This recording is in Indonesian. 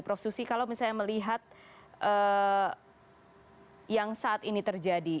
prof susi kalau misalnya melihat yang saat ini terjadi